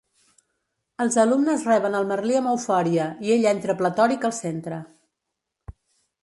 Els alumnes reben el Merlí amb eufòria i ell entra pletòric al centre.